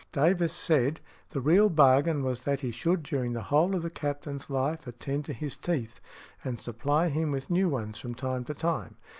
Davis said, the real bargain was that he should during the whole of the Captain's life attend to his teeth, and supply him with new ones from time to time.